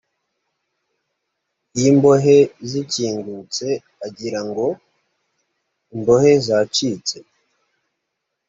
y imbohe zikingutse agira ngo imbohe zacitse